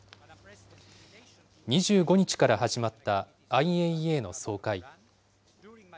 ２５日から始まったＩＡＥＡの総会。